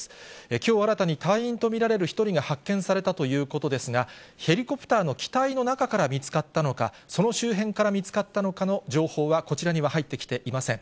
きょう新たに隊員と見られる１人が発見されたということですが、ヘリコプターの機体の中から見つかったのか、その周辺から見つかったのかの情報は、こちらには入ってきていません。